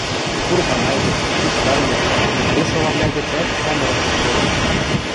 Курманай гӹц, Пиштан гӹц, вес солавлӓ гӹцӓт сӓмӹрӹквлӓ толыныт.